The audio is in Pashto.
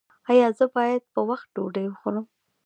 ایا زه باید په وخت ډوډۍ وخورم؟